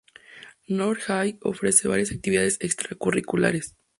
North High ofrece varias actividades extracurriculares.